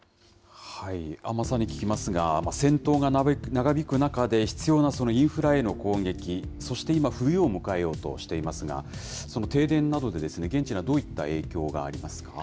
安間さんに聞きますが、戦闘が長引く中で、必要なインフラへの攻撃、そして今、冬を迎えようとしていますが、その停電などで、現地にはどういった影響がありますか。